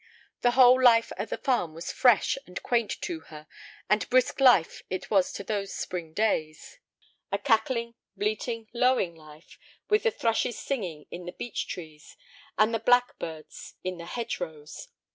The whole life at the farm was fresh and quaint to her, and brisk life it was those spring days—a cackling, bleating, lowing life, with the thrushes singing in the beech trees and the blackbirds in the hedgerows.